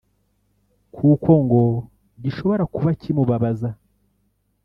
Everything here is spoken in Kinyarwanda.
kuko ngo gishobora kuba kimubabaza